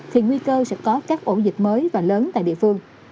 thì nguy cơ sẽ có các ổ dịch mới và lớn tại địa phương